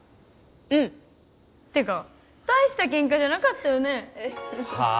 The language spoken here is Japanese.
うんてかたいしたケンカじゃなかったよねはあ？